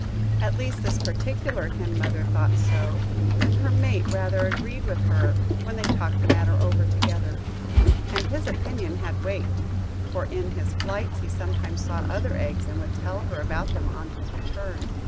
At least this particular hen mother thought so, and her mate rather agreed with her when they talked the matter over together. And his opinion had weight, for in his flights he sometimes saw other eggs, and would tell her about them on his return.